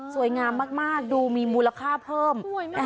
สวยงามมากดูมีมูลค่าเพิ่มสวยมาก